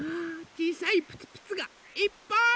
ちいさいプツプツがいっぱい！